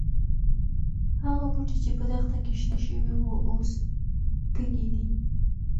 هغه بوټي چې په دښته کې شنه شوي وو، اوس تږي دي.